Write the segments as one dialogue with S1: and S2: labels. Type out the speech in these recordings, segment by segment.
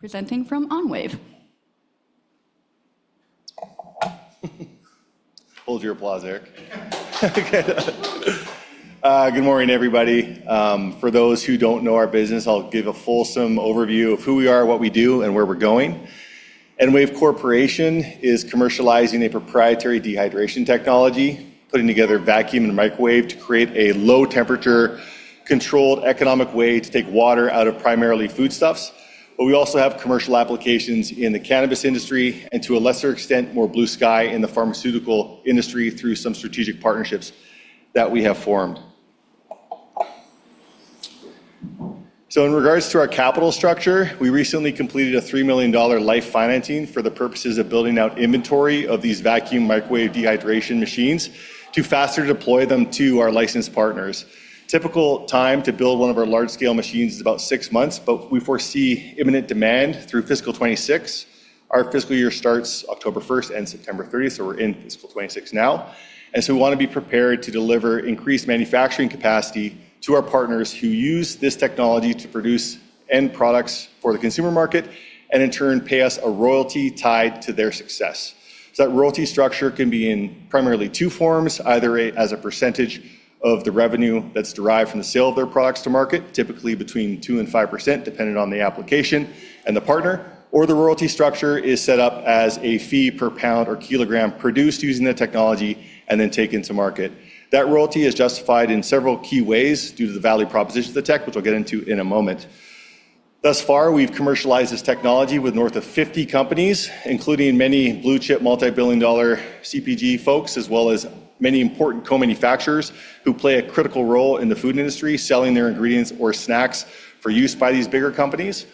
S1: Presenting from EnWave.
S2: Hold your applause, Eric. Good morning, everybody. For those who don't know our business, I'll give a fulsome overview of who we are, what we do, and where we're going. EnWave Corporation is commercializing a proprietary dehydration technology, putting together vacuum and microwave to create a low-temperature, controlled, economic way to take water out of primarily foodstuffs. We also have commercial applications in the cannabis industry and, to a lesser extent, more blue sky in the pharmaceutical industry through some strategic partnerships that we have formed. In regards to our capital structure, we recently completed a 3 million dollar life financing for the purposes of building out inventory of these vacuum microwave dehydration machines to faster deploy them to our licensed partners. Typical time to build one of our large-scale machines is about six months. We foresee imminent demand through fiscal 2026. Our fiscal year starts October 1 and ends September 30, so we're in fiscal 2026 now. We want to be prepared to deliver increased manufacturing capacity to our partners who use this technology to produce end products for the consumer market and, in turn, pay us a royalty tied to their success. That royalty structure can be in primarily two forms, either as a percentage of the revenue that's derived from the sale of their products to market, typically between 2% and 5%, depending on the application and the partner, or the royalty structure is set up as a fee per pound or kilogram produced using the technology and then taken to market. That royalty is justified in several key ways due to the value proposition of the tech, which I'll get into in a moment. Thus far, we've commercialized this technology with north of 50 companies, including many blue-chip, multi-billion dollar CPG folks, as well as many important co-manufacturers who play a critical role in the food industry, selling their ingredients or snacks for use by these bigger companies.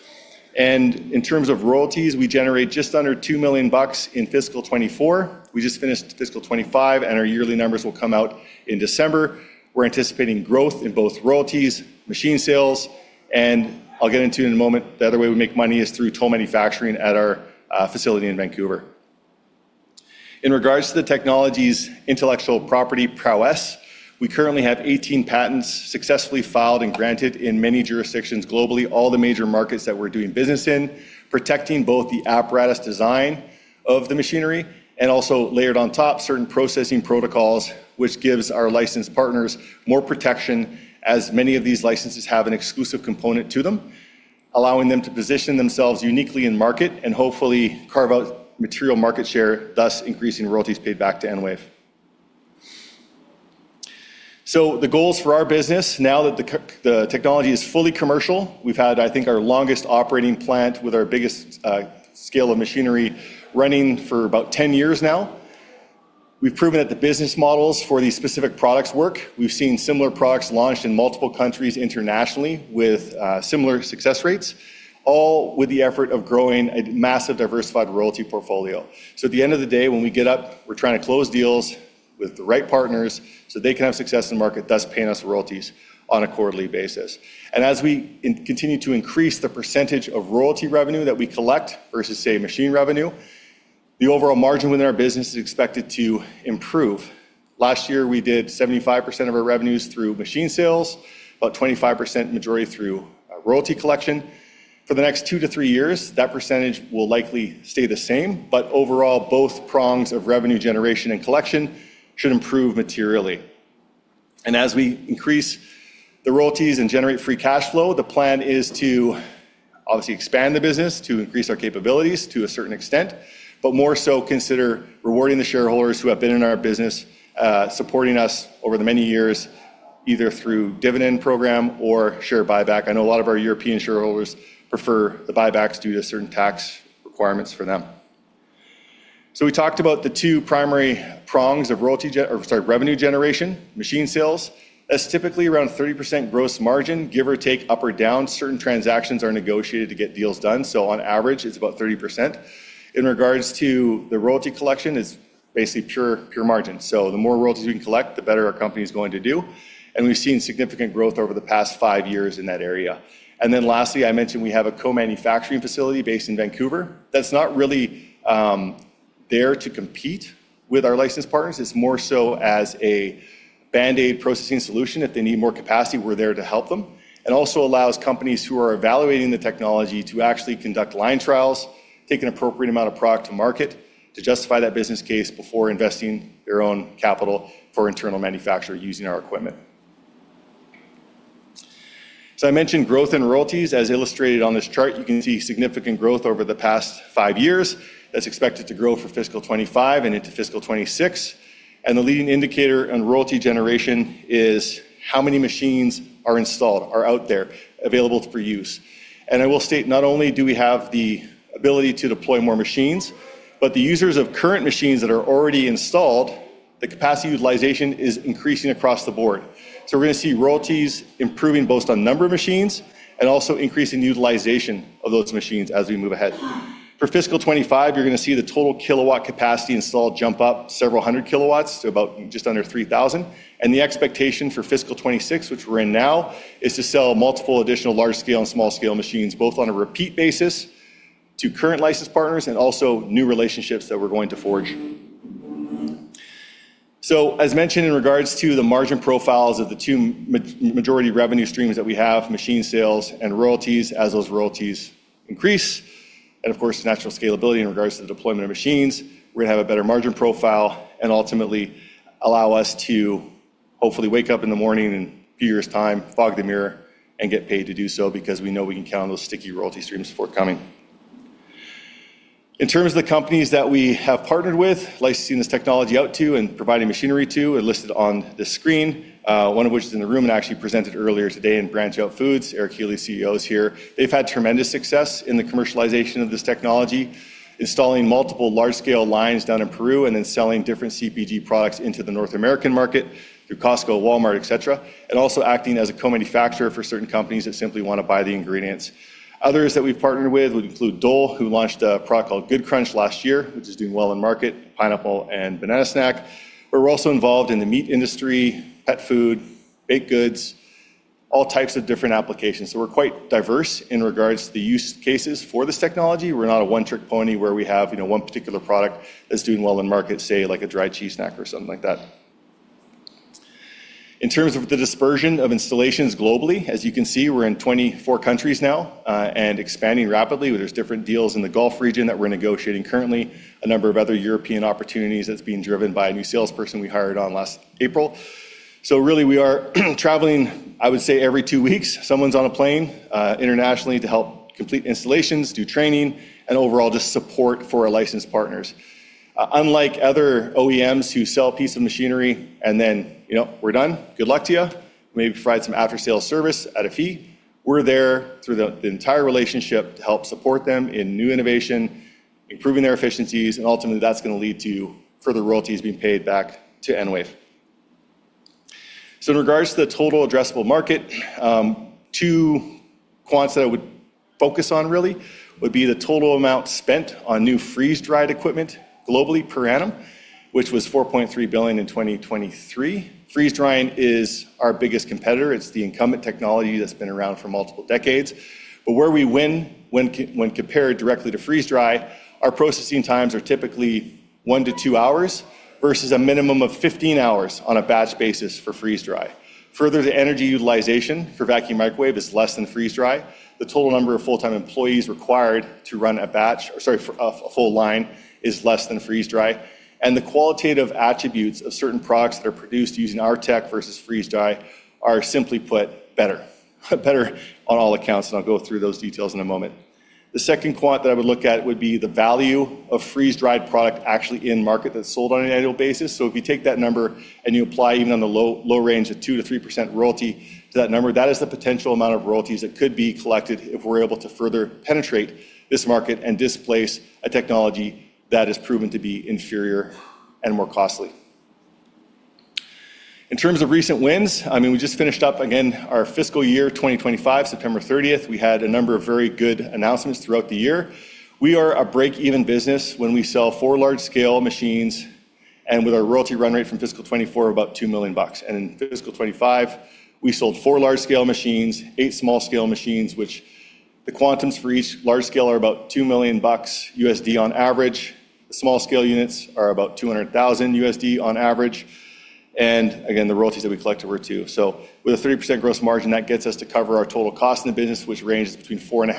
S2: In terms of royalties, we generate just under 2 million bucks in fiscal 2024. We just finished fiscal 2025, and our yearly numbers will come out in December. We're anticipating growth in both royalties, machine sales, and I'll get into in a moment. The other way we make money is through toll manufacturing at our facility in Vancouver. In regards to the technology's intellectual property prowess, we currently have 18 patents successfully filed and granted in many jurisdictions globally, all the major markets that we're doing business in, protecting both the apparatus design of the machinery and also, layered on top, certain processing protocols, which gives our licensed partners more protection, as many of these licenses have an exclusive component to them, allowing them to position themselves uniquely in market and hopefully carve out material market share, thus increasing royalties paid back to EnWave. The goals for our business, now that the technology is fully commercial, we've had, I think, our longest operating plant with our biggest scale of machinery running for about 10 years now. We've proven that the business models for these specific products work. We've seen similar products launched in multiple countries internationally with similar success rates, all with the effort of growing a massive, diversified royalty portfolio. At the end of the day, when we get up, we're trying to close deals with the right partners so they can have success in the market, thus paying us royalties on a quarterly basis. As we continue to increase the percentage of royalty revenue that we collect versus, say, machine revenue, the overall margin within our business is expected to improve. Last year, we did 75% of our revenues through machine sales, about 25% majority through royalty collection. For the next two to three years, that percentage will likely stay the same, but overall, both prongs of revenue generation and collection should improve materially. As we increase the royalties and generate free cash flow, the plan is to obviously expand the business to increase our capabilities to a certain extent, but more so consider rewarding the shareholders who have been in our business, supporting us over the many years, either through a dividend program or share buyback. I know a lot of our European shareholders prefer the buybacks due to certain tax requirements for them. We talked about the two primary prongs of royalty or, sorry, revenue generation: machine sales. That's typically around 30% gross margin, give or take, up or down. Certain transactions are negotiated to get deals done. On average, it's about 30%. In regards to the royalty collection, it's basically pure margin. The more royalties we can collect, the better our company is going to do. We have seen significant growth over the past five years in that area. Lastly, I mentioned we have a co-manufacturing facility based in Vancouver that's not really there to compete with our licensed partners. It's more so as a Band-Aid processing solution. If they need more capacity, we're there to help them. It also allows companies who are evaluating the technology to actually conduct line trials, take an appropriate amount of product to market to justify that business case before investing their own capital for internal manufacturing using our equipment. I mentioned growth in royalties. As illustrated on this chart, you can see significant growth over the past five years. That's expected to grow for fiscal 2025 and into fiscal 2026. The leading indicator on royalty generation is how many machines are installed, are out there, available for use. I will state not only do we have the ability to deploy more machines, but the users of current machines that are already installed, the capacity utilization is increasing across the board. We are going to see royalties improving both on number of machines and also increasing the utilization of those machines as we move ahead. For fiscal 2025, you're going to see the total kilowatt capacity installed jump up several hundred kilowatts to about just under 3,000. The expectation for fiscal 2026, which we're in now, is to sell multiple additional large-scale and small-scale machines, both on a repeat basis to current licensed partners and also new relationships that we're going to forge. As mentioned in regards to the margin profiles of the two majority revenue streams that we have, machine sales and royalties, as those royalties increase, and of course, natural scalability in regards to the deployment of machines, we're going to have a better margin profile and ultimately allow us to hopefully wake up in the morning in a few years' time, fog the mirror, and get paid to do so because we know we can count on those sticky royalty streams forthcoming. In terms of the companies that we have partnered with, licensing this technology out to and providing machinery to, are listed on this screen, one of which is in the room and actually presented earlier today in BranchOut Food. Eric Healy, CEO, is here. They've had tremendous success in the commercialization of this technology, installing multiple large-scale lines down in Peru and then selling different CPG products into the North American market through Costco, Walmart, et cetera, and also acting as a co-manufacturer for certain companies that simply want to buy the ingredients. Others that we've partnered with would include Dole, who launched a product called Good Crunch last year, which is doing well in market, pineapple and banana snack. We're also involved in the meat industry, pet food, baked goods, all types of different applications. We're quite diverse in regards to the use cases for this technology. We're not a one-trick pony where we have one particular product that's doing well in market, say, like a dry cheese snack or something like that. In terms of the dispersion of installations globally, as you can see, we're in 24 countries now and expanding rapidly. There are different deals in the Gulf region that we're negotiating currently, a number of other European opportunities that's being driven by a new salesperson we hired on last April. Really, we are traveling, I would say, every two weeks. Someone's on a plane internationally to help complete installations, do training, and overall just support for our licensed partners. Unlike other OEMs who sell a piece of machinery and then, you know, we're done, good luck to you, maybe provide some after-sales service at a fee, we're there through the entire relationship to help support them in new innovation, improving their efficiencies, and ultimately, that's going to lead to further royalties being paid back to EnWave. In regards to the total addressable market, two quants that I would focus on really would be the total amount spent on new freeze-dried equipment globally per annum, which was 4.3 billion in 2023. Freeze-drying is our biggest competitor. It's the incumbent technology that's been around for multiple decades. Where we win when compared directly to freeze-dry, our processing times are typically one to two hours versus a minimum of 15 hours on a batch basis for freeze-dry. Further, the energy utilization for vacuum-microwave is less than freeze-dry. The total number of full-time employees required to run a batch or, sorry, a full line is less than freeze-dry. The qualitative attributes of certain products that are produced using our tech versus freeze-dry are, simply put, better, better on all accounts. I'll go through those details in a moment. The second quant that I would look at would be the value of freeze-dried product actually in market that's sold on an annual basis. If you take that number and you apply even on the low range of 2%-3% royalty to that number, that is the potential amount of royalties that could be collected if we're able to further penetrate this market and displace a technology that is proven to be inferior and more costly. In terms of recent wins, we just finished up, again, our fiscal year 2025, September 30. We had a number of very good announcements throughout the year. We are a break-even business when we sell four large-scale machines and with our royalty run rate from fiscal 2024, about 2 million bucks. In fiscal 2025, we sold four large-scale machines, eight small-scale machines, which the quantums for each large-scale are about $2 million on average. The small-scale units are about $200,000 on average. The royalties that we collect over too. With a 30% gross margin, that gets us to cover our total cost in the business, which ranges between 4.5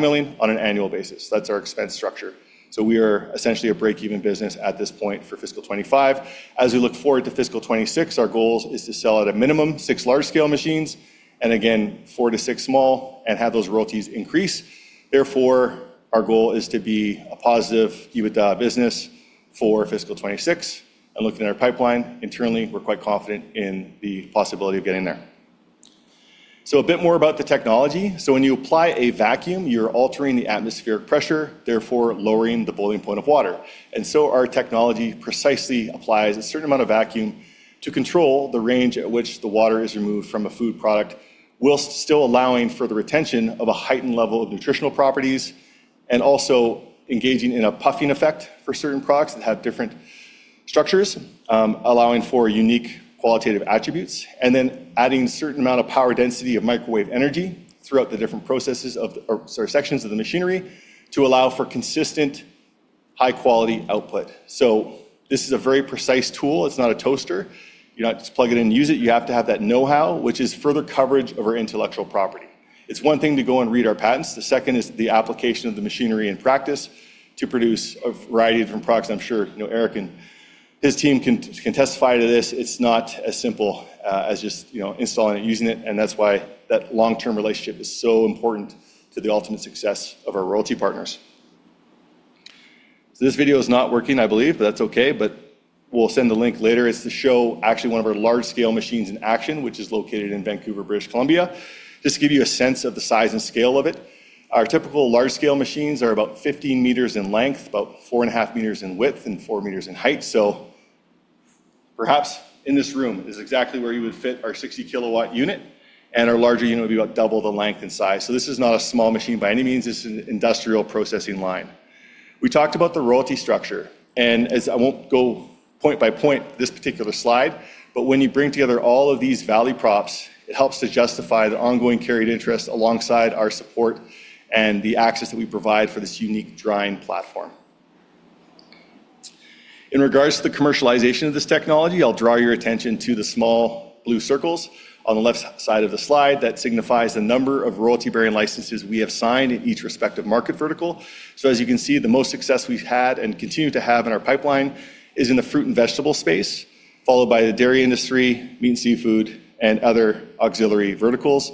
S2: million-5 million on an annual basis. That's our expense structure. We are essentially a break-even business at this point for fiscal 2025. As we look forward to fiscal 2026, our goal is to sell at a minimum six large-scale machines and, again, four to six small and have those royalties increase. Therefore, our goal is to be a positive EBITDA business for fiscal 2026. Looking at our pipeline internally, we're quite confident in the possibility of getting there. A bit more about the technology. When you apply a vacuum, you're altering the atmospheric pressure, therefore lowering the boiling point of water. Our technology precisely applies a certain amount of vacuum to control the range at which the water is removed from a food product, while still allowing for the retention of a heightened level of nutritional properties and also engaging in a puffing effect for certain products that have different structures, allowing for unique qualitative attributes, and then adding a certain amount of power density of microwave energy throughout the different processes or sections of the machinery to allow for consistent high-quality output. This is a very precise tool. It's not a toaster. You don't just plug it in and use it. You have to have that know-how, which is further coverage of our intellectual property. It's one thing to go and read our patents. The second is the application of the machinery in practice to produce a variety of different products. I'm sure Eric and his team can testify to this. It's not as simple as just installing it, using it. That's why that long-term relationship is so important to the ultimate success of our royalty partners. This video is not working, I believe, but that's OK. We'll send the link later. It's to show actually one of our large-scale machines in action, which is located in Vancouver, British Columbia, just to give you a sense of the size and scale of it. Our typical large-scale machines are about 15 m in length, about 4.5 m in width, and 4 m in height. Perhaps in this room is exactly where you would fit our 60 kW unit. Our larger unit would be about double the length and size. This is not a small machine by any means. This is an industrial processing line. We talked about the royalty structure. I won't go point by point this particular slide. When you bring together all of these value props, it helps to justify the ongoing carried interest alongside our support and the access that we provide for this unique drying platform. In regards to the commercialization of this technology, I'll draw your attention to the small blue circles on the left side of the slide. That signifies the number of royalty-bearing licenses we have signed in each respective market vertical. As you can see, the most success we've had and continue to have in our pipeline is in the fruit and vegetable space, followed by the dairy industry, meat and seafood, and other auxiliary verticals.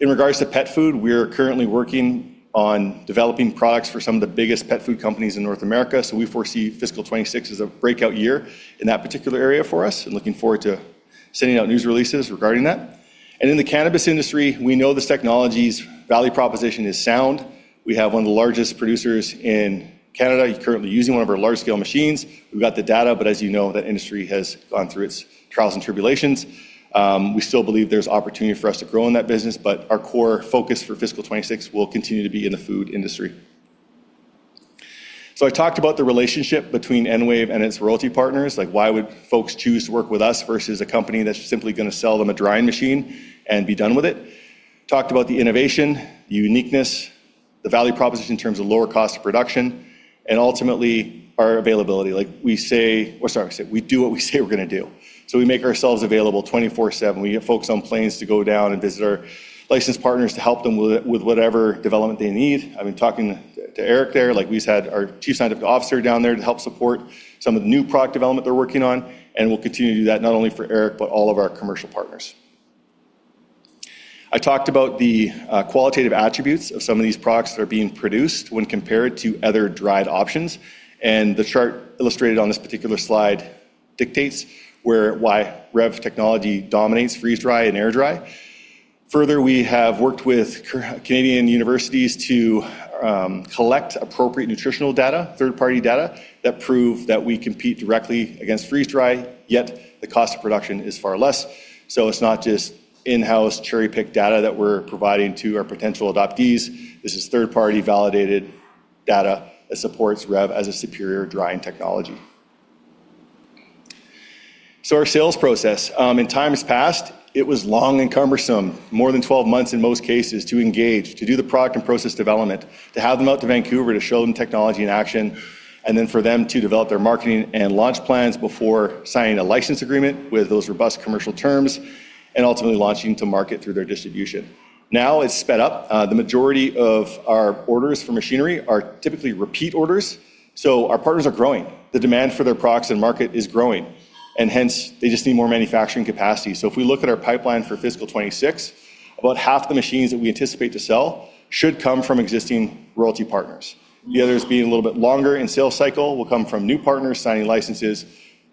S2: In regards to pet food, we are currently working on developing products for some of the biggest pet food companies in North America. We foresee fiscal 2026 as a breakout year in that particular area for us and looking forward to sending out news releases regarding that. In the cannabis industry, we know this technology's value proposition is sound. We have one of the largest producers in Canada currently using one of our large-scale machines. We've got the data. As you know, that industry has gone through its trials and tribulations. We still believe there's opportunity for us to grow in that business. Our core focus for fiscal 2026 will continue to be in the food industry. I talked about the relationship between EnWave and its royalty partners, like why would folks choose to work with us versus a company that's simply going to sell them a drying machine and be done with it? I talked about the innovation, the uniqueness, the value proposition in terms of lower cost of production, and ultimately our availability. We say we do what we say we're going to do. We make ourselves available 24/7. We get folks on planes to go down and visit our licensed partners to help them with whatever development they need. I've been talking to Eric there. We've had our Chief Scientific Officer down there to help support some of the new product development they're working on. We'll continue to do that not only for Eric, but all of our commercial partners. I talked about the qualitative attributes of some of these products that are being produced when compared to other dried options. The chart illustrated on this particular slide dictates why REV Technology dominates freeze-dry and air dry. Further, we have worked with Canadian universities to collect appropriate nutritional data, third-party data, that prove that we compete directly against freeze-dry, yet the cost of production is far less. It's not just in-house cherry-picked data that we're providing to our potential adoptees. This is third-party validated data that supports REV as a superior drying technology. Our sales process, in times past, was long and cumbersome, more than 12 months in most cases, to engage, to do the product and process development, to have them out to Vancouver to show them technology in action, and then for them to develop their marketing and launch plans before signing a license agreement with those robust commercial terms and ultimately launching to market through their distribution. Now it's sped up. The majority of our orders for machinery are typically repeat orders. Our partners are growing. The demand for their products in market is growing, and hence, they just need more manufacturing capacity. If we look at our pipeline for fiscal 2026, about half the machines that we anticipate to sell should come from existing royalty partners. The others, being a little bit longer in sales cycle, will come from new partners signing licenses,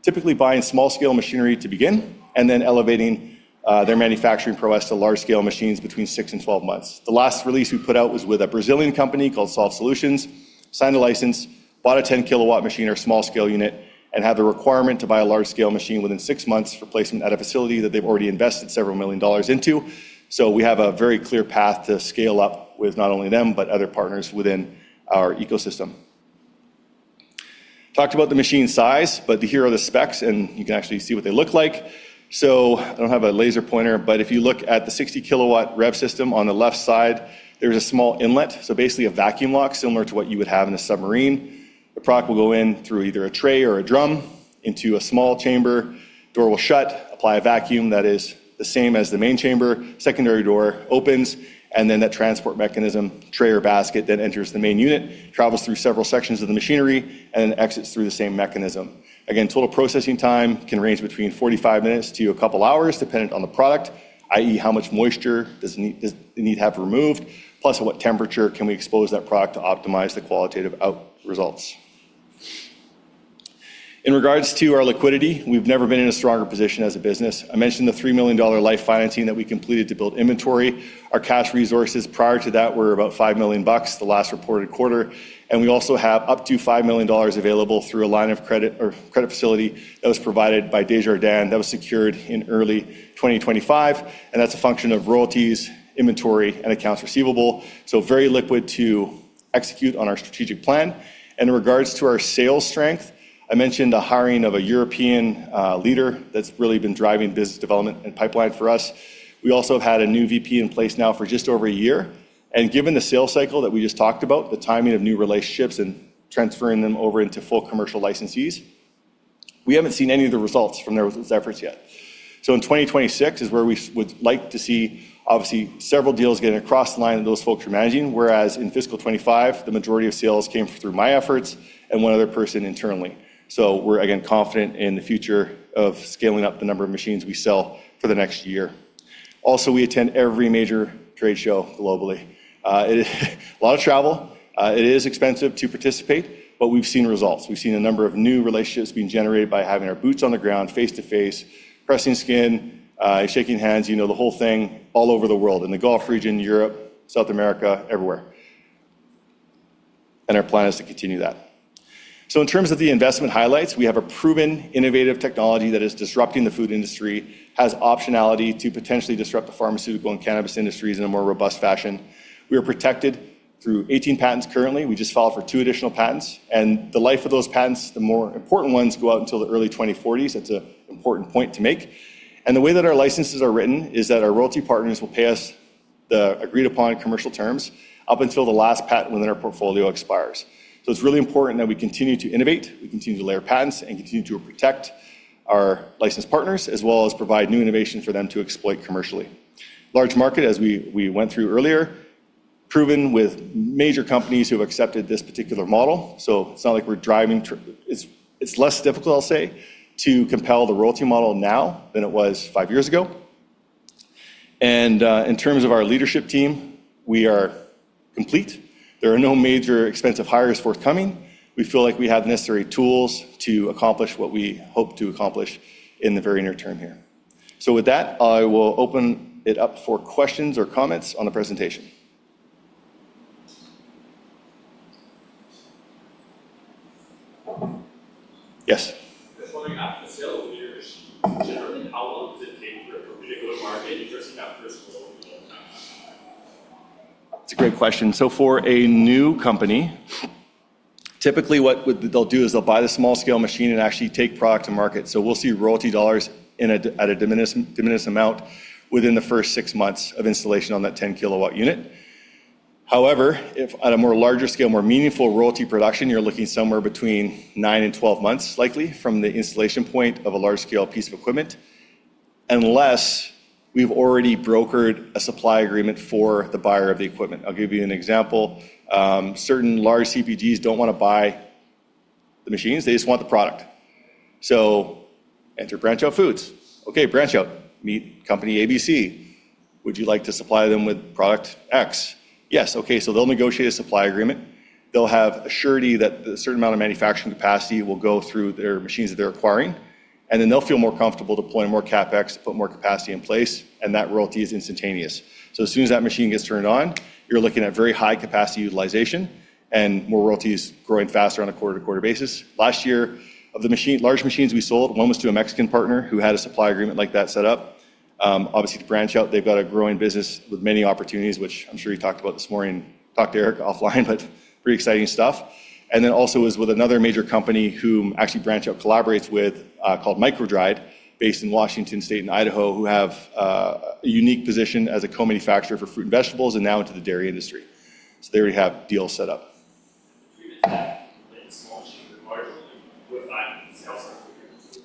S2: typically buying small-scale machinery to begin, and then elevating their manufacturing prowess to large-scale machines between 6 and 12 months. The last release we put out was with a Brazilian company called Solve Solutions, signed a license, bought a 10 kW REV machine, our small-scale unit, and had the requirement to buy a large-scale machine within six months for placement at a facility that they've already invested several million dollars into. We have a very clear path to scale up with not only them, but other partners within our ecosystem. Talked about the machine size. Here are the specs. You can actually see what they look like. I don't have a laser pointer. If you look at the 60 kW REV system on the left side, there's a small inlet, basically a vacuum lock similar to what you would have in a submarine. The product will go in through either a tray or a drum into a small chamber. The door will shut, apply a vacuum that is the same as the main chamber. The secondary door opens. That transport mechanism, tray or basket, then enters the main unit, travels through several sections of the machinery, and then exits through the same mechanism. Total processing time can range between 45 minutes to a couple of hours, dependent on the product, i.e., how much moisture does it need to have removed, plus at what temperature can we expose that product to optimize the qualitative out results. In regards to our liquidity, we've never been in a stronger position as a business. I mentioned the 3 million dollar life financing that we completed to build inventory. Our cash resources prior to that were about 5 million bucks the last reported quarter. We also have up to 5 million dollars available through a line of credit facility that was provided by Desjardins Group that was secured in early 2025. That's a function of royalties, inventory, and accounts receivable, so very liquid to execute on our strategic plan. In regards to our sales strength, I mentioned the hiring of a European leader that's really been driving business development and pipeline for us. We also have had a new VP in place now for just over a year. Given the sales cycle that we just talked about, the timing of new relationships and transferring them over into full commercial licensees, we haven't seen any of the results from those efforts yet. In 2026 is where we would like to see, obviously, several deals getting across the line that those folks are managing, whereas in fiscal 2025, the majority of sales came through my efforts and one other person internally. We're again confident in the future of scaling up the number of machines we sell for the next year. We attend every major trade show globally. It is a lot of travel. It is expensive to participate. We've seen results. We've seen a number of new relationships being generated by having our boots on the ground, face to face, pressing skin, shaking hands, you know, the whole thing all over the world, in the Gulf region, Europe, South America, everywhere. Our plan is to continue that. In terms of the investment highlights, we have a proven innovative technology that is disrupting the food industry, has optionality to potentially disrupt the pharmaceutical and cannabis industries in a more robust fashion. We are protected through 18 patents currently. We just filed for two additional patents. The life of those patents, the more important ones, go out until the early 2040s. That's an important point to make. The way that our licenses are written is that our royalty partners will pay us the agreed-upon commercial terms up until the last patent within our portfolio expires. It's really important that we continue to innovate, continue to layer patents, and continue to protect our licensed partners, as well as provide new innovation for them to exploit commercially. Large market, as we went through earlier, proven with major companies who have accepted this particular model. It's less difficult, I'll say, to compel the royalty model now than it was five years ago. In terms of our leadership team, we are complete. There are no major expensive hires forthcoming. We feel like we have the necessary tools to accomplish what we hope to accomplish in the very near term here. With that, I will open it up for questions or comments on the presentation. Yes?
S3: I'm just wondering, after the sale of a major machine, generally, how long does it take for a particular market, addressing that first role?
S2: It's a great question. For a new company, typically what they'll do is they'll buy the small-scale machine and actually take product to market. We'll see royalty dollars at a diminished amount within the first six months of installation on that 10 kW unit. However, if at a more larger scale, more meaningful royalty production, you're looking somewhere between nine and 12 months, likely, from the installation point of a large-scale piece of equipment, unless we've already brokered a supply agreement for the buyer of the equipment. I'll give you an example. Certain large CPGs don't want to buy the machines. They just want the product. Enter BranchOut Food. BranchOut, meet company ABC. Would you like to supply them with product X? Yes. They'll negotiate a supply agreement. They'll have assured that a certain amount of manufacturing capacity will go through their machines that they're acquiring. They’ll feel more comfortable deploying more CapEx to put more capacity in place. That royalty is instantaneous. As soon as that machine gets turned on, you're looking at very high capacity utilization and more royalties growing faster on a quarter-to-quarter basis. Last year, of the large machines we sold, one was to a Mexican partner who had a supply agreement like that set up. Obviously, to BranchOut, they've got a growing business with many opportunities, which I'm sure you talked about this morning and talked to Eric offline, pretty exciting stuff. Also, with another major company whom actually BranchOut collaborates with, called MicroDried, based in Washington State and Idaho, who have a unique position as a co-manufacturer for fruit and vegetables and now into the dairy industry. They already have deals set up.
S3: With small machines and large ones, what time sales cycle do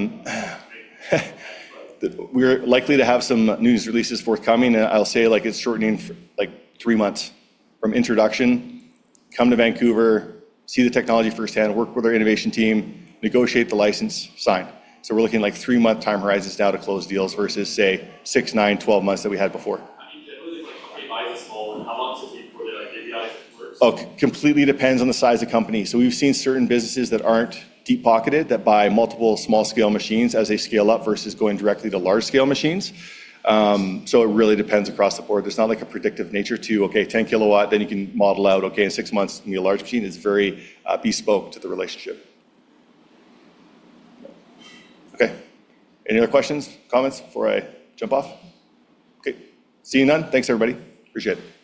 S3: you anticipate?
S2: We're likely to have some news releases forthcoming. I'll say it's shortening like three months from introduction, come to Vancouver, see the technology firsthand, work with our innovation team, negotiate the license, sign. We're looking at like three-month time horizons now to close deals versus, say, six, nine, 12 months that we had before.
S3: You said earlier, if they buy the small one, how long does it take before they like maybe out of the quarter?
S2: Oh, completely depends on the size of the company. We've seen certain businesses that aren't deep pocketed that buy multiple small-scale machines as they scale up versus going directly to large-scale machines. It really depends across the board. There's not like a predictive nature to, OK, 10 kW, then you can model out, OK, in six months, you need a large machine. It's very bespoke to the relationship. OK. Any other questions, comments before I jump off? OK. See you in none. Thanks, everybody. Appreciate it.